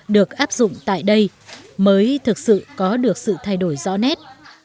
được áp dụng tại đây mới thực sự có được sự thay đổi rõ nét